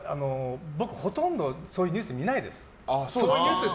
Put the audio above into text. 僕、ほとんどそういうニュース見ないです。